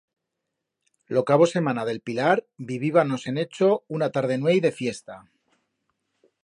Lo cabo semana d'el Pilar vivíbanos en Echo una tarde-nueit de fiesta.